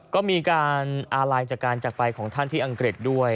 ก็มีการอาลัยจากการจักรไปของท่านที่อังกฤษด้วย